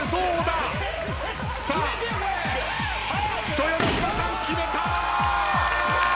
豊ノ島さん決めた！